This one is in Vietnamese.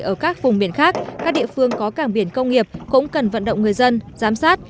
ở các vùng biển khác các địa phương có cảng biển công nghiệp cũng cần vận động người dân giám sát